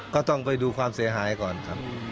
ก็ต้องไปดูความเสียหายก่อนครับ